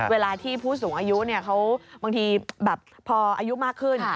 เวลาที่ผู้สูงอายุเขาบางทีแบบพออายุมากขึ้น